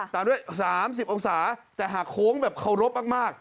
ตามด้วย๓๐องศาแต่หากโค้งแบบเคารพมาก